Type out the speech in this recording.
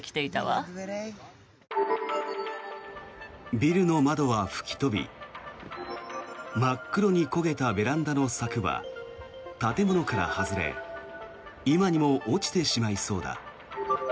ビルの窓は吹き飛び真っ黒に焦げたベランダの柵は建物から外れ今にも落ちてしまいそうだ。